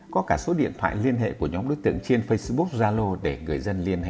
có cả số điện thoại liên hệ của nhóm đối tượng trên facebook zalo để người dân liên hệ